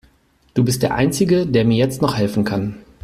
Du bist der einzige, der mir jetzt noch helfen kann.